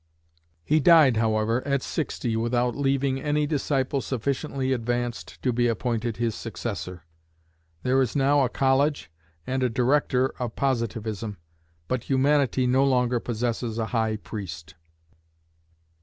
He died, however, at sixty, without leaving any disciple sufficiently advanced to be appointed his successor. There is now a College, and a Director, of Positivism; but Humanity no longer possesses a High Priest.